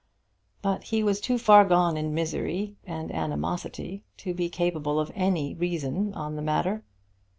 But he was too far gone in misery and animosity to be capable of any reason on the matter.